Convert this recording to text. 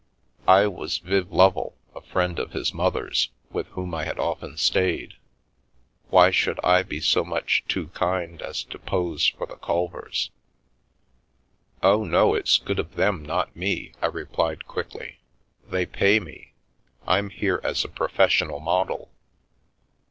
I was Viv Lovel, a friend of his mother's, with whom I had often stayed — why should I be so much too kind as to pose for the Culvers? " Oh, no, it's good of them, not me," I replied quickly, they pay me. Fm here as a professional model."